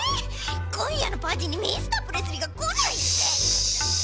こんやのパーティーにミスタープレスリーがこないって！？